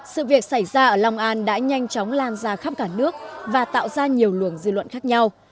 sự việc xảy ra ở long an đã nhanh chóng lan ra khắp cả nước và tạo ra nhiều luồng dư luận khác nhau